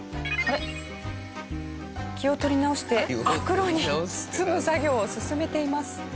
気を取り直して袋に包む作業を進めています。